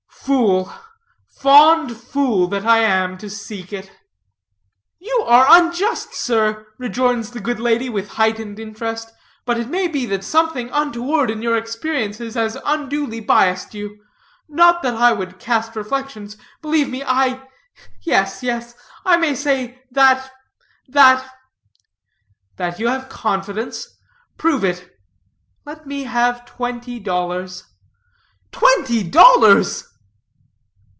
Fool, fond fool that I am to seek it!" "You are unjust, sir," rejoins the good lady with heightened interest; "but it may be that something untoward in your experiences has unduly biased you. Not that I would cast reflections. Believe me, I yes, yes I may say that that " "That you have confidence? Prove it. Let me have twenty dollars." "Twenty dollars!"